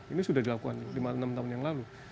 ini sudah dilakukan enam tahun yang lalu